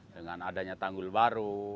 dengan adanya tanggul baru